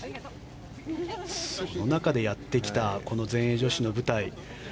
その中でやってきた全英女子の舞台。